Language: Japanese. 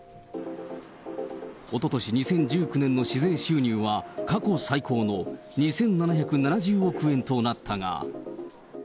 おととし２０１９年の市税収入は、過去最高の２７７０億円となったが。